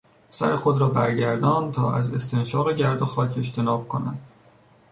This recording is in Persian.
سر خود را برگرداند تا از استنشاق گردوخاک اجتناب کند.